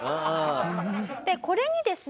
これにですね